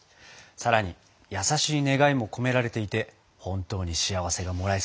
さらに優しい願いも込められていて本当に幸せがもらえそうです！